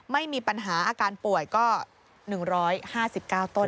ไม่มีปัญหาอาการป่วยก็๑๕๙ต้น